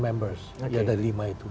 members ya dari lima itu